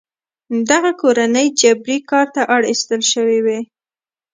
دغه کورنۍ جبري کار ته اړ ایستل شوې وې.